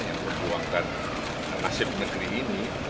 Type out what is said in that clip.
yang berjuangkan nasib negeri ini